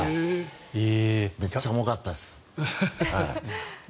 めっちゃ重かったです。